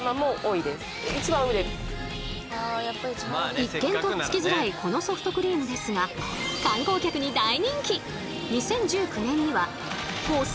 一見とっつきづらいこのソフトクリームですが素直だねえ。